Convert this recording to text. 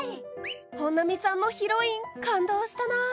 本並さんの「ヒロイン」感動したな。